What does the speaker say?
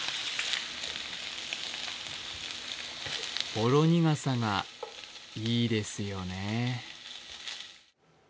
ほろ苦さがいいですよね。